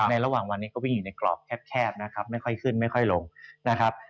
ระหว่างวันนี้ก็วิ่งอยู่ในกรอบแคบนะครับไม่ค่อยขึ้นไม่ค่อยลงนะครับ